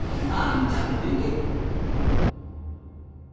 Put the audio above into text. なんちゃってね。